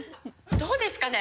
どうですかね？